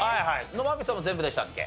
野間口さんも全部でしたっけ？